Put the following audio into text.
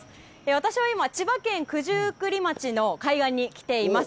私は今、千葉県九十九里町の海岸に来ています。